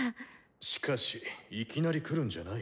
しかしいきなり来るんじゃない。